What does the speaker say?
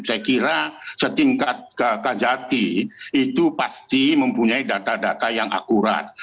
saya kira setingkat kajati itu pasti mempunyai data data yang akurat